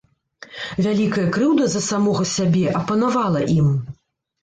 Вялікая крыўда за самога сябе апанавала ім.